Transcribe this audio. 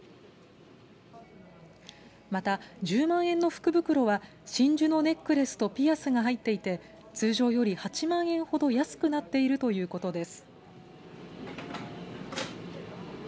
また、１０万円の福袋は真珠のネックレスとピアスが入っていて通常より８万円ほど安くなっているということです。